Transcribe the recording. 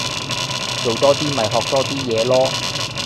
做多啲咪學多啲野囉